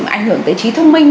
ảnh hưởng tới trí thông minh